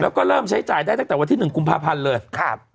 แล้วก็เริ่มใช้จ่ายได้ตั้งแต่วันที่๑กุมภาพันธ์เลย